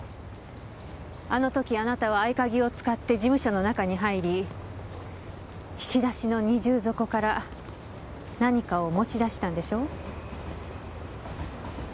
あの時あなたは合鍵を使って事務所の中に入り引き出しの二重底から何かを持ち出したんでしょう？